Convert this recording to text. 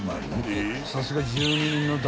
［さすが］